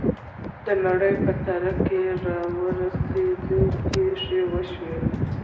د نړۍ په تاریخ کې راوروسته پېښې وشوې.